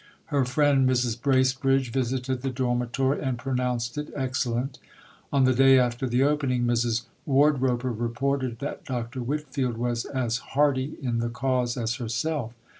Her friend Mrs. Bracebridge visited the dormitory, and pronounced it excellent. On the day after the opening, Mrs. Wardroper reported that Dr. Whitfield was as hearty in the cause as herself.